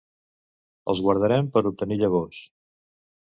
Els guardarem per obtenir llavors.